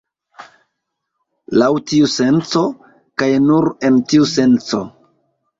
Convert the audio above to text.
Laŭ tiu senco, kaj nur en tiu senco.